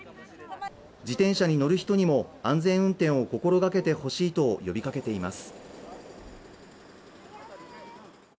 自転車に乗る人にも安全運転を心がけてほしいと呼びかけています。